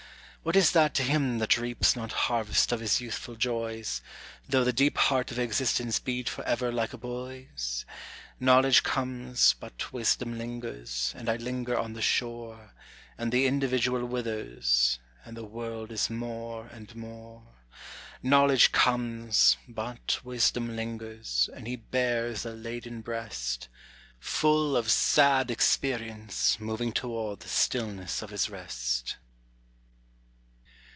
What is that to him that reaps not harvest of his youthful joys, Though the deep heart of existence beat forever like a boy's? Knowledge comes, but wisdom lingers; and I linger on the shore And the individual withers, and the world is more and more. Knowledge comes, but wisdom lingers, and he bears a laden breast, Full of sad experience moving toward the stillness of his rest.